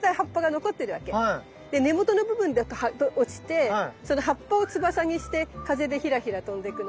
で根元の部分だけ葉が落ちてその葉っぱを翼にして風でヒラヒラ飛んでくの。